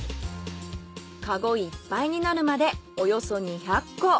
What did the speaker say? カゴいっぱいになるまでおよそ２００個。